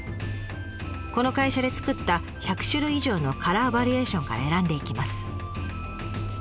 この会社で作った１００種類以上のカラーバリエーションから選んでいきます。